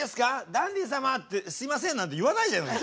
「ダンディ様すいません」なんて言わないじゃないですか。